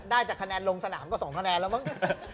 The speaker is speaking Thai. ได้จากคะแนนลงสนามก็๒คะแนนแล้วมั้ง